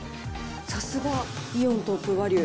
さすがイオントップバリュ。